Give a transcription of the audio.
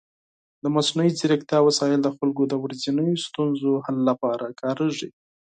د مصنوعي ځیرکتیا وسایل د خلکو د ورځنیو ستونزو حل لپاره کارېږي.